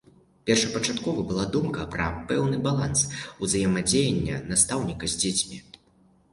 Першапачаткова была думка пра пэўны баланс узаемадзеяння настаўніка з дзецьмі.